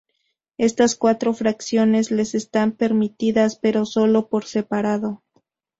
Estas cuatro fracciones les están permitidas, pero solo por separado.